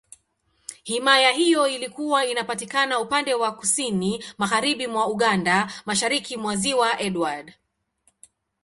Himaya hiyo ilikuwa inapatikana upande wa Kusini Magharibi mwa Uganda, Mashariki mwa Ziwa Edward.